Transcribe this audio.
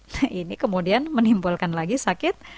nah ini kemudian menimbulkan lagi sakit